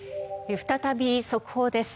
再び速報です。